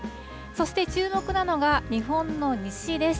そして注目なのが、日本の西です。